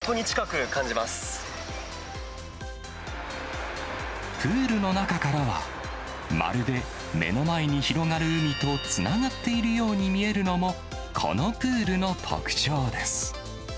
遮るものがないので、海を本プールの中からは、まるで目の前に広がる海とつながっているように見えるのも、このプールの特徴です。